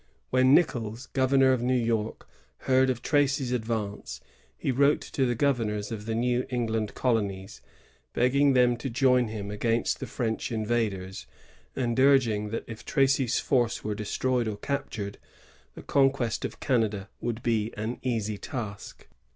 When NicoUs, governor of New York, heard of Tracy's advance, he wrote to the governors of the New England colonies, begging them to join him against the French invaders, and nrging that if Tracy's force were destroyed or captured, the conquest of Canada would be an easy task.